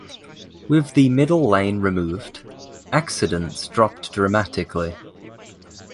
With the middle lane removed, accidents dropped dramatically.